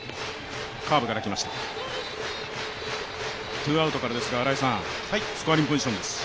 ツーアウトからですが、スコアリングポジションです。